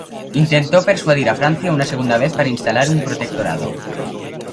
Intentó persuadir a Francia una segunda vez para instalar un protectorado.